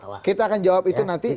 oke kita akan jawab itu nanti